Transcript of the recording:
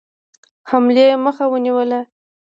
حملې مخه ونیوله.